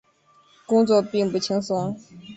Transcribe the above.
工作并不轻松